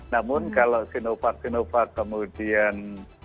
namun kalau sinovac sinovac kemudian